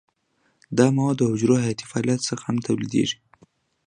دا مواد د حجرو حیاتي فعالیت څخه هم تولیدیږي.